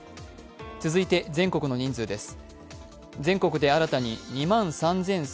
続いて全国の人数です。